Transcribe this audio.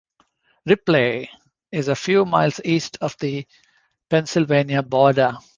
Ripley is a few miles east of the Pennsylvania border.